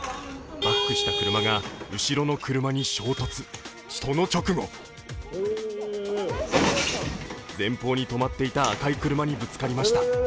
バックした車が後ろの車に衝突、その直後前方に止まっていた赤い車にぶつかりました。